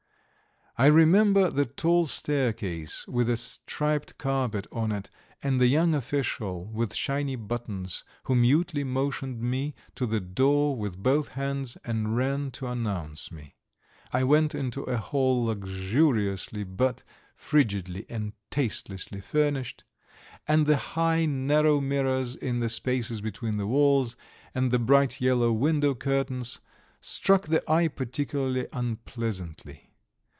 I remember the tall staircase with a striped carpet on it, and the young official, with shiny buttons, who mutely motioned me to the door with both hands, and ran to announce me. I went into a hall luxuriously but frigidly and tastelessly furnished, and the high, narrow mirrors in the spaces between the walls, and the bright yellow window curtains, struck the eye particularly unpleasantly.